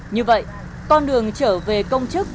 như vậy con đường trở về công chức